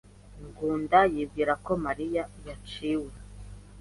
Ngunda yibwira ko Mariya yaciwe.